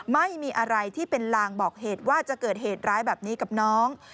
ไม่มีอะไรที่เป็นลางบอกเหตุว่าจะเกิดเหตุร้ายแบบนี้กับน้อง